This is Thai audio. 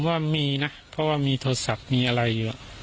ว่ามีนะเพราะว่ามีโทรศัพท์มีอะไรอยู่